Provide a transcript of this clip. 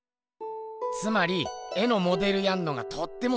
つまり絵のモデルやんのがとってもつれぇ